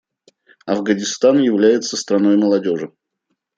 Афганистан является страной молодежи.